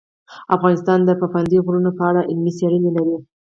افغانستان د پابندی غرونه په اړه علمي څېړنې لري.